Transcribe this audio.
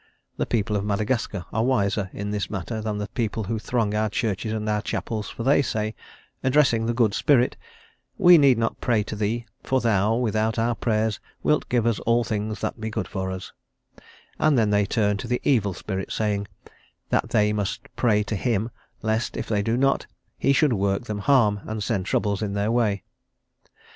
The people of Madagascar are wiser, in this matter than the people who throng our churches and our chapels, for they say, addressing the good Spirit, "We need not pray to thee, for thou, without our prayers, wilt give us all things that be good for us;" and then they turn to the evil Spirit, saying, that they must pray to him lest, if they do not, he should work them harm, and send troubles in their way.